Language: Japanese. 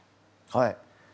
はい。